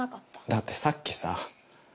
だってさっきさ